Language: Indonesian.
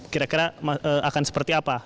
kira kira akan seperti apa